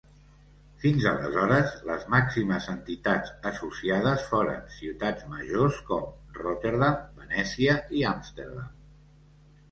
Fins aleshores, les màximes entitats associades foren ciutats majors com Rotterdam, Venècia i Amsterdam.